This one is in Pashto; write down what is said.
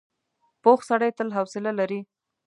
پوخ سړی تل حوصله لري